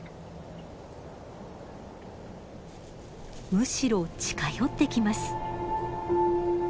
むしろ近寄ってきます。